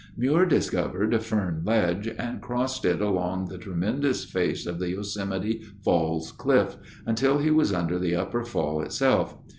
Muir discovered Fern Ledge and crossed it along the tremendous face of the Yosemite Falls cliff, until he was under the upper fall itself.